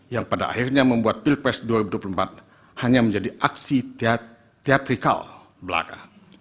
yang pada akhirnya membuat pilpres dua ribu dua puluh empat hanya menjadi aksi teatrikal belaka